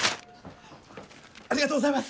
ありがとうございます！